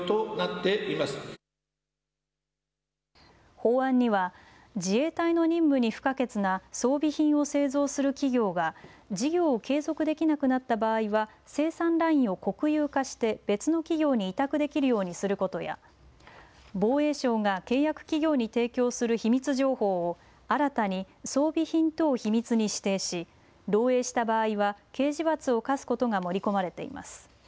法案には自衛隊の任務に不可欠な装備品を製造する企業が事業を継続できなくなった場合は生産ラインを国有化して別の企業に委託できるようにすることや防衛省が契約企業に提供する秘密情報を新たに装備品等秘密に指定し漏えいした場合は刑事罰を科すことが盛り込まれています。